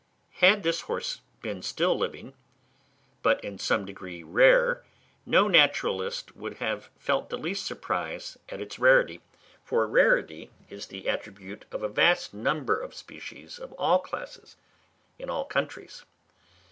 Had this horse been still living, but in some degree rare, no naturalist would have felt the least surprise at its rarity; for rarity is the attribute of a vast number of species of all classes, in all countries.